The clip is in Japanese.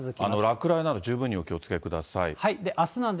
落雷など、十分にお気をつけください。